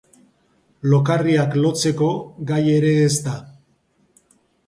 Lokarriak lotzeko gai ere ez da.